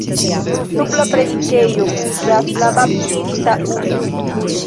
Sub la predikejo kuŝas la baptista ujo.